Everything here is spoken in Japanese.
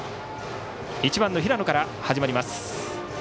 １番の平野から始まります。